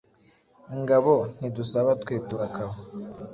Ingabo ntidusaba twe turakaba